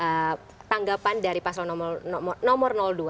terus kemudian tadi tanggapan dari pasal nomor dua